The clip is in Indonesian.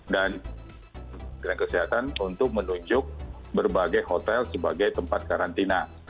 dan kena kesehatan untuk menunjuk berbagai hotel sebagai tempat karantina